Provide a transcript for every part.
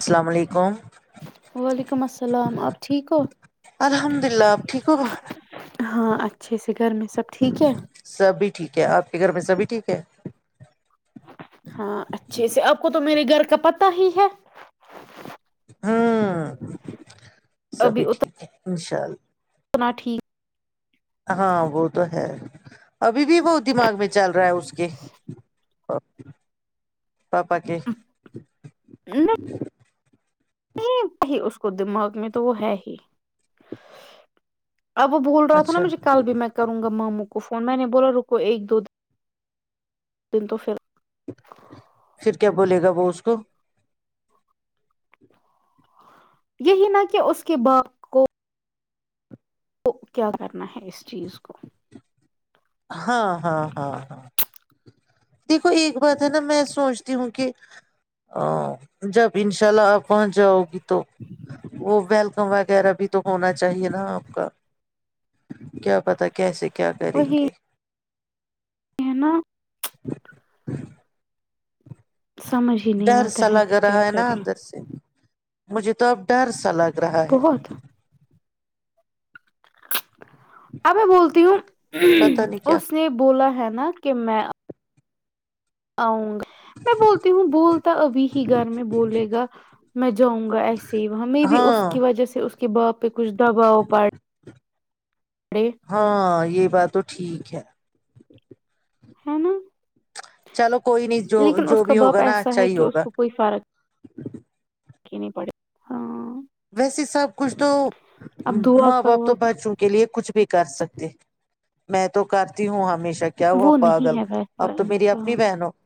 السلام علیکم وعلیکم السلام آپ ٹھیک ہو الحمد للہ آپ ٹھیک ہو ہاں اچھے سے گھر میں سب ٹھیک ہے سبھی ٹھیک ہے آپ کے گھر میں سبھی ٹھیک ہے ہاں اچھے سےے آپ کو تو میرے گھر کا پتا ہی ہے ہاں ابھی سبھی ٹھیک ہے ان شاء اللہ اتنا ٹھیک ہاں وہ تو ہے ابھی بھی بہت دماغ میں چل رہا ہے اس کے پپا کے [unintelligible] نہیں بی اس کو دماغ میں تو وہ ہے ہی اب وہ بول رہا تھا نا اچھا مجھے کل بھی میں کروں گا ماموں کو کو فون میں نے بولا رکو ایک دو د دو دن تو پھر کیا بولے گا وہ اس کو یہی نہ کہ اس کے باپ کو تو کیا کرنا ہے اس چیز کو ہاں ہاں ہاں ہاں دیکھو ایک بات ہے نا میں سوچتی ہوں کہ جب ان شاء اللہ آپ پہنچ جاؤ گی تو وہ ویلکم وغیرہ بھی تو ہونا چاہے چاہے نا آپ کا کیا پتا کیسے کیا کریں گے کہ نا [unintelligible] [inaudible] سمجھ ہی نہیں ڈر آتا سا ہے لگ کہ کیا رہا ہے نا کریں اندر سے مجھے تو اب ڈر سا لگا رہا ہے بہت [inaudible] ا میں بولتی ہوں پتا نہیں کیا اس نے بولا ہے نا [unintelligible] نا کہ میں اؤ گ [unintelligible] میں بولتی ہوں بولتا ابھی ہی گھر میں بولے گا میں جاؤں گا ایسے ہی وہاں م بی اس ہاں کی وجہ سے کہ بپ [unintelligible] پ کچھ دباؤ پار [unintelligible] ہاں یہ بات تو ٹھیک ہے ہے نا [unintelligible] چلو کوئی نہیں جو لیکن اس جو کا بھی باپ ہوگا نا ایسا اچھا ہے ہی کہ اس ہوگا کو کوئی فرق نہیں پڑے ہاں [unintelligible] ویسے سب کچھ تو اب دعا ماں باپ کرو تو آپ بچوں کے لیے کچھ بھی کر سکتے میں تو کرتی ہوں ہمیشہ [unintelligible] اچھا کیا ہوا وہ پاگل نہیں ہے اب ویسا تو میری اپنی انسان بہن ہو [unintelligible]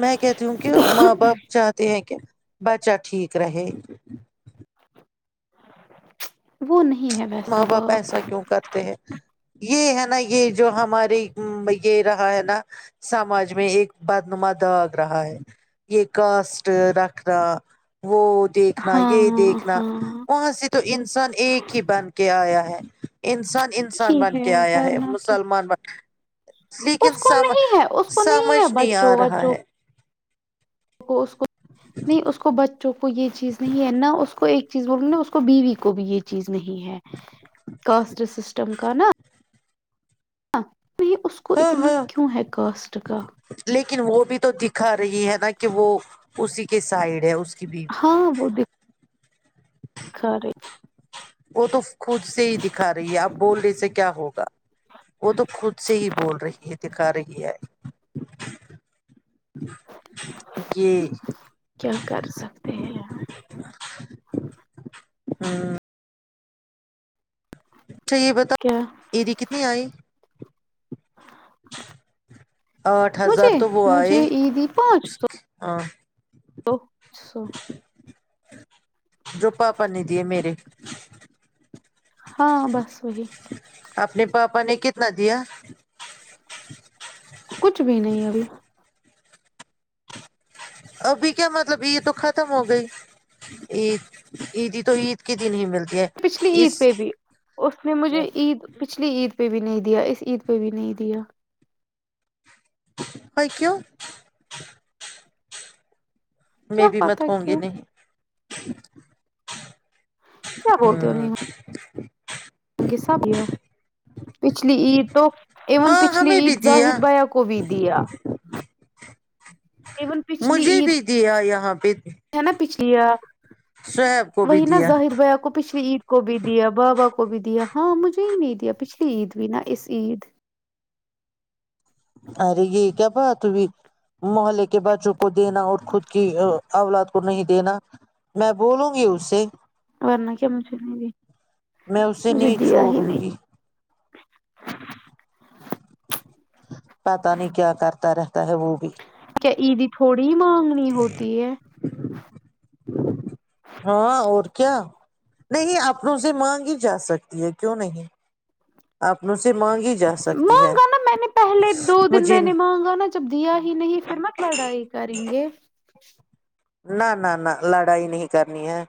میں کہتی ہوں کہ ماں باپ چاہتے ہیں کیا [unintelligible] بچا ٹھیک [unintelligible] گر ہیںیں [unintelligible] وہ نہیں [unintelligible] ماں باپ ایسا کیوں کرتے ہیں یہ ہے نا یہ جو ہمارے یہ رہا ہے نا سماج میں ایک بدنما داغ رہا ہے یہ کاسٹ رکھنا وہ دیکھنا یہ ہاں دیکھنا ہاں وہاں سے تو انسان ایک ہی بن [unintelligible] آ ہے انسان انسان بن ہے کے آیا ہے ورنہ کیا مسلمان بن لیکن اس کو سم نہیں ہے اس کو سمجھ ہے نہیں آ بچوں رہا بچوں ہے نہیں اس کو بچوں کو یہ چیز نہیں ہے نہ اس کو ایک چیز بول اس کو بیوی کو بھی یہ چیز نہیں ہے کاسٹ سسٹم کا نا ہاں میں اس کو ہاں اتنا ہاں کیوں ہے کاسٹ کا لیکن وہ بھی تو دکھا رہی ہے نا کہ وہ اسی کے سائڈ ہے اس کی بیوی ہاں وہ دیک ساری وہ تو خود سے ہی دکھا رہی ہے آپ بول رہے سے کیا ہوگا وہ تو خود سے ہی بول رہی ہے د کا رہی ہے یہ کیا کر سکتے ہیں ہم ہاں اچھا یہ بتاؤ کیا ایری کتنی آئی آٹھ ہزار مجھے تو وہ مجھے آئے عیدی پانچ سو ہاں تو سو جو پاپا نے دیے میررے ہاں بس وہی اپنے پاپا نے کتنا دیا کچھ بھی نہیں ابھی ابھی کیا مطلب عید تو ختم ہو گئی عید عیدی تو عید کے دن ہی ملتی کہ پچھلی اس عید پہ بھی اس نے مجھے عید پچھلی عید پہ بھی نہیں دیا اس عید پہ بھی نہیں دیا ہو کیاو میں کیا بھی مت پتا ہوں گی کیوں نہیں کیا [inaudible] بولتے ہو ہاں نہیں پچھلی عید تو ایون ہاں پچھلی ہمیں عید بھی زاہد دیا بیا کو بھی دیا ایون پچھلی مجھے عید بھی دیا یار ہاں پ ہے نا پچھ یا شعیب کو بھی وہی نا دیا زاہد بھیا کو پچھلی عید کو بھی دیا بابا کو بھی دیا ہاں مجھے ہی نہیں دیا پچھلی عید بھی نا اس عید ارے یہ کیا پا ت بھی محلے کے بچوں کو دینا اور خود کی اولاد کو نہیں دینا میں بولوں گی اس سے ورنہ کیا مجھے نہیں دی میں اسے مجھے نہیں دیا ہی چھوڑوں نہیں گی پتا نہیں کیا کرتا رہ تا ہے وہ بھی ایید تھوڑی ہی مانگنی ہوتی ہے ہاں اور کیا نہیں اپن سے مانگی جا سکتی ہے کیوں نہیں اپ سے مانگی جا سکتی ہے مانگا نا میں نے پہلے دو دن مجھے میں نے مانگا نا جب دیا ہی نہیں پھر مت لڑائی کر کرے گے نہ نہ نہ لڑائی نہیں کرنی ہے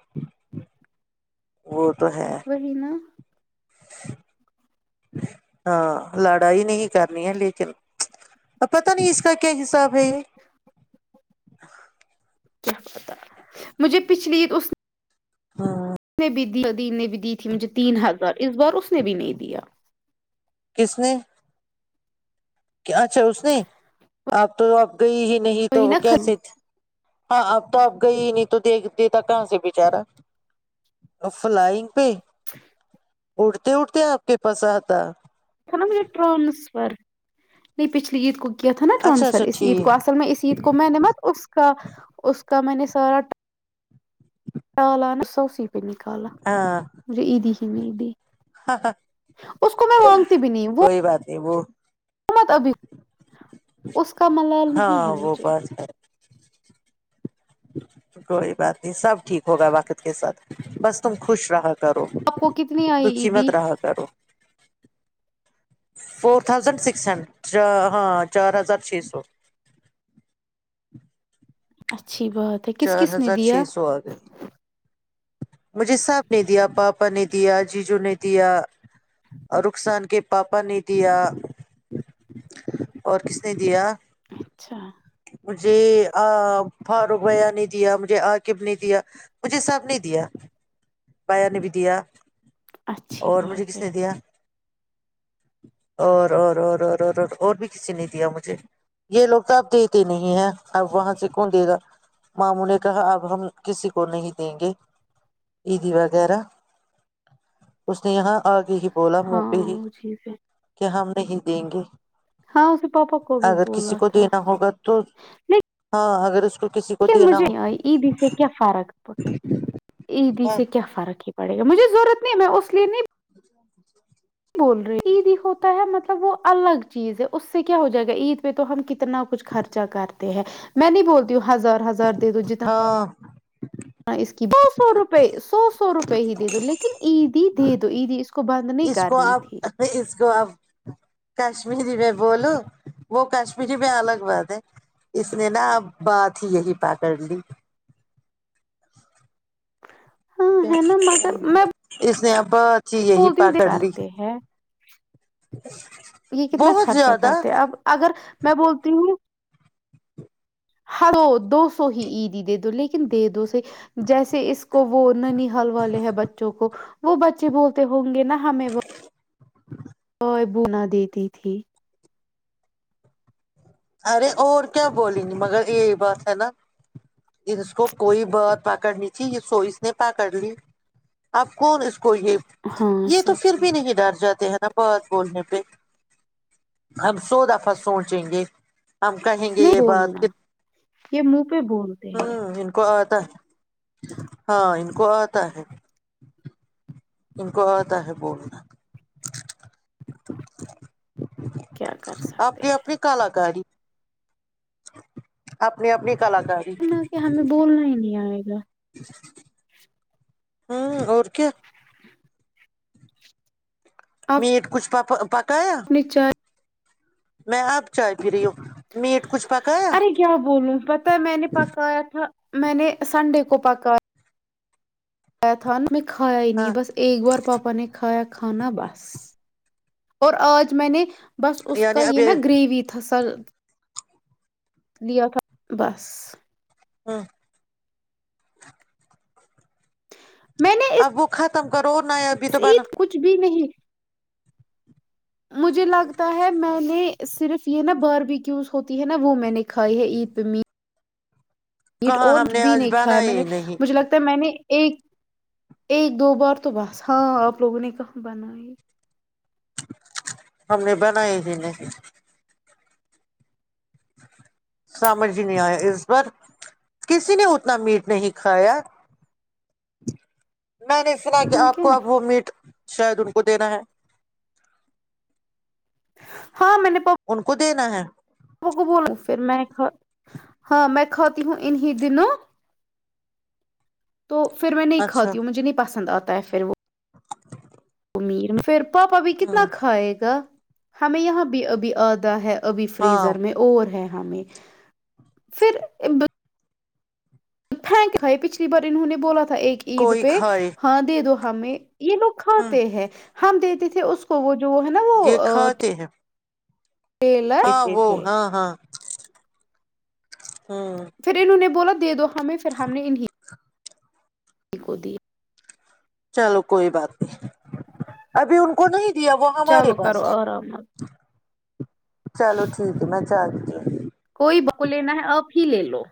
وہ تو ہے وہہی نہ ہاں لڑائی نہیں کرنی ہے لیکن ا پت نہیں اس کا کیا حساب ہے یہ کیا پتا مجھے پچھلی اس ہاں اس نے بھییادیین نے بھی دی تھی مجھے تین ہزار اس بار اس نے بھی نہیں دیا کس نے؟ اچھا اس نے آپ تو اب گئی ہی نہیں وہی تو نا کیسے ہاں اب تو آپ گئی ہی نہیں تو دیکھ دیتا کہاں سے بچارا فلائنگ پہ اٹھتے اٹھتے آپ کے پاس آتا چمے ٹرانسفر [unintelligible] نہیں پچھلی عید کو [unintelligible] کیا تھا نا اچھا ٹرانسفر اچھا اس عید کو ٹھیک اصل میں اس عید کو میں نےمت اس کا اس [unintelligible] کمے سارا ٹ [unintelligible] الانا سوسیی [unintelligible] پہ نکالا ہاں مجھے عیدی ہی میںیدی اس کو میں مانگتی بھی نہیں وہ [unintelligible] ا وہ [unintelligible] ت ابھی اس کا ملال نہیں ہے ہاں وہ مجھے [unintelligible] بات ہے کوئی بات نہیں سب ٹھیک ہوگا واقت کے ساتھ بس تم خوش رہ [unintelligible] کرو آپ کو کتنی آئی رکی عیدی مت رہا کرو [unintelligible] فور تھاؤزینڈ سکس ہنڈریڈ ہاں چار ہزار چھ سو [unintelligible] اچھا [unintelligible] اچھی بہات ہے کس چار کس نے ہزار دیا چھ سو آ گئے [unintelligible] مجھے صاحب نے دیا پاپا نے دیا جیجو نے دیا اور رخسان کے پاپا نے دیا اور کس نے دیا [unintelligible] اچھا [unintelligible] مجھے آ فاروق بھیا نے دیا مجھے عقب نے دیا مجھے سب نے دیا بایا نے بھی دیا اچھی اور مجھے بات کس ہے نے دیا اور اور اور اور اور اور بھی کسی نے دیا مجھے یہ لوگ توپ دیکھ نہیں ہے اب وہاں سے کون دے گا ماموں نے کہا اب ہم کسی کو نہیں دیں گے عیدی وغیرہ اس نے یہاں آگے ہی بولا ہاں موپی ہی وہ چیز ہے کیا ہم [unintelligible] نہیں دیں گے ہاں اسے پاپا کو بھی اگر کسی بولا کو تھا دینا ہوگا تو ہاں اگر [unintelligible] کو دینا مجھے ہو عیدی سے کیا فرق عیدی سے کیا فرق ہی پڑے گا مجھے ضرورت میں اس لیے نہیں [unintelligible] [inaudible] بول رہے عید ہی ہوتا ہے مطلب وہ الگ چیز ہے اس سے کیا ہو جائے گا عید پہ تو ہم کتنا کچھ خرچا کرتے ہیں میں نہیں بولتی ہوں ہزار ہزار دے دو جتنا ہاں اس کی دو سو روپئے سو سو روپئے ہی دے دو لیکن ای [unintelligible] دے دو دیی اس [unintelligible] اس کو کرنی آپ تھی اس کو اپ [unintelligible] کشمیری میں بولو وہ کشمیری میں الگ بات ہے اس نے نا اب بات ہی یہی پکڑ لی ہاں ہے نا مگر میں اس نے آ [unintelligible] بت [unintelligible] کرتے ہیں یہ کتنا بہت خرچا زیادہ کرتے اب اگر [unintelligible] میں بولتی ہوں ہڑو دو سو ہی عیدی دے دو لیکن دے دو صی جیسے اس کو وہ نہ نہیں حل والے ہیں بچوں کو [unintelligible] وہ بچے بولتے ہوں گے نہ ہمیں وہ [unintelligible] بونا دیتی تھی ارے اور کیا بولیں گے مگر یہی بات ہے نا اس کو کوئی بات پکڑنی تھی یہ سو نے پکڑ لی اب کون اس کو کو یہ ہاں یہ تو سچ پھر ہے بھی نہیں ڈر جاتے ہیں نا بہت بولنے پہ ہم سو دفعہ سوچیں گے ہم کہیں گے نہیں یہ بات بولنا یہ مک [unintelligible] پ بولتے ہ ہیں [unintelligible] ان کو آتا ہاں ان کو آتا ہے ان کو آتا ہے بولنا کیا کر سکتے اپنی اپنی کلاکاری اپنے اپنے کلاکاری جا ج ہاں اور السلام علیکم محترم آپ میٹ کچھ پاپا کایا اپنی چائے میں اب چائے پی رہی ہوں میٹ کچھ پکایا ارے کیا بولوں پتا ہے میں نے پکایا تھا میں نے سنڈے کو پکا کیا تھا نا میں کایا ہی نہیں ہے ہاں بس ایک بار پاپا نے کایا کھانا بس اور آج میں نے بس اس کا یعنی اب یہ نا ہ گریوی تھا سر لیا تھا بس ہاں ابو خط تمک بس عید کچھ بھی نہیں مجھے لگتا ہے میں نے صرف نا بارب کیوز ہوتی ہے نا وہ میں نے کھائی ہے عید پہ می میٹ کہاں اور ہم کچھ نے بھی آج نہیں بنا کھایا میں ہی نے نہیں مجھے لگتا ہے میں نے ایک ایک دو بار تو بس ہاں آپ لوگوں نے کہاں بنائی ہم نے بناائی ہی نہی سمرجھ ہی نہیں آیا اس بار کسی نے اتنا میٹ نہیں کھایا میں نے سنا کہ ہاں آپ کیا کو اب وہ میٹ شاید ان کو دینا ہے ہاں م نے پ ان کو دینا ہے کو بولوں پھر میں ک ہاں میں کھاتی ہوں انیں دنوں تو پھر میں نہیں اچھا کھاتی ہوں مجھے نہیں پسند آ ہوتا ہے پھر وہ ا میر پھر پاپا بھی کتنا ہ کھائے گا ہمیں یہاں بھی ابھی آدا ہے ابھی ہاں فریزر میں اور ہے ہمیں پھر پچھلی بار انہوں نے بولا تھا ایک عید کوئی پہ کھائے ہاں دے دو ہمیں یہ لوگ ہاں کھاتے ہیں ہم دیتے تھے اس کو وہ جو ہے نا وہ یہ کھاتے ہیں ٹیلر ہاں دیتے وہ تھے ہاں ہاں ہوں پھر اننوں نے بولا دے دو ہمیں پھر ہم نے انہیں [inaudible] چلو کوئی بات نہیں ابھی ان کو نہیں وہ ہمارے چلو کرو پاس ہے آرام چلو ٹھیک ہے میں چلو جی کو لینا ہے آب ہی لے لو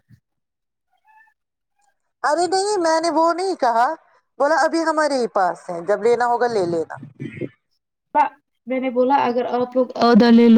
ارے نہیں میں نے وہ نہیں کہا بولا ابھی ہمارے ہی پاس ہے جب لینا ہوگا لے لینا میں نے بولا اگر آ لوگدلیلو